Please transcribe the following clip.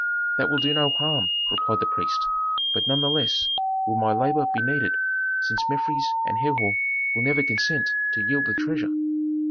"That will do no harm," replied the priest. "But none the less will my labor be needed, since Mefres and Herhor will never consent to yield the treasure."